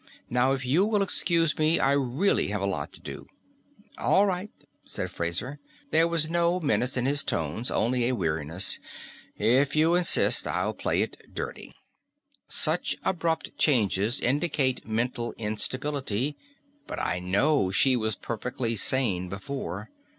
"Now if you will excuse me, I really have a lot to do " "All right," said Fraser. There was no menace in his tones, only a weariness. "If you insist, I'll play it dirty. Such abrupt changes indicate mental instability. But I know she was perfectly sane before.